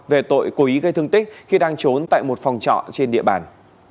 về tội cố ý gây thương tích khi đang trốn tại một phòng trọ trên địa bàn